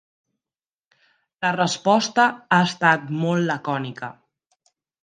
La resposta ha estat molt lacònica.